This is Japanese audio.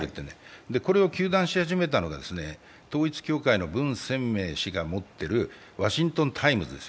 これを糾弾し始めたのが旧統一教会の文鮮明氏が持っている「ワシントンタイムズ」です。